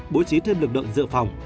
bố trí thêm lực lượng dựa phòng